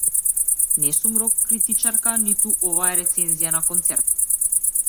Не сум рок критичарка, ниту ова е рецензија на концерт.